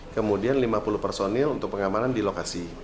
kemudian lima puluh personil untuk pengamanan di lokasi